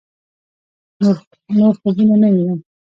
نور خوبونه نه وينم